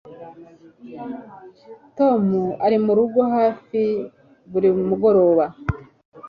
Tom ari murugo hafi buri mugoroba